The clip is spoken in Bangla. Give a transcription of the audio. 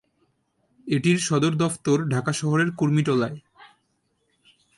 এটির সদর দফতর ঢাকা শহরের কুর্মিটোলায়।